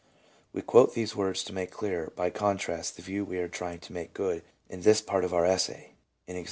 We quote these words to make clearer by contrast the view we are trying to make good in this part of our essay, i. e.